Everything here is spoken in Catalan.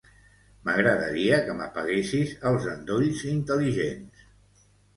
M'agradaria que m'apaguessis els endolls intel·ligents.